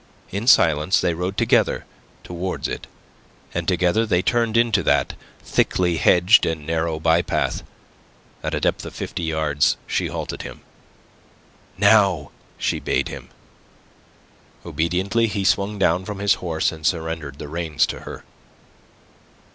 In silence they rode together towards it, and together they turned into that thickly hedged and narrow bypath. At a depth of fifty yards she halted him. "Now!" she bade him. Obediently he swung down from his horse, and surrendered the reins to her.